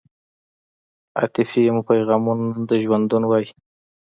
عاطفې مو پیغامونه د ژوندون وای